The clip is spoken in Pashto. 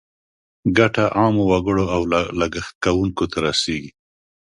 ګټه عامو وګړو او لګښت کوونکو ته رسیږي.